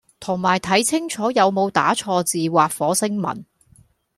同埋睇清楚有冇打錯字或火星文